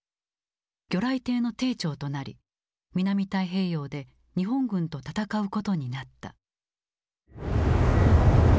魚雷艇の艇長となり南太平洋で日本軍と戦うことになった。